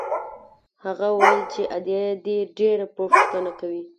هغه وويل چې ادې دې ډېره پوښتنه کوي.